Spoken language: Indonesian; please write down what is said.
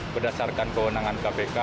berdasarkan kewenangan kpk